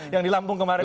yang dilampung kemarin